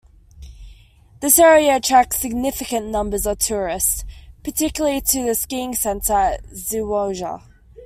This area attracts significant numbers of tourists, particularly to the skiing centre at Zawoja.